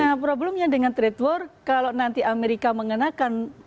nah problemnya dengan trade war kalau nanti amerika mengenakan